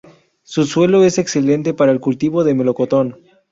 Su suelo es excelente para el cultivo de melocotón.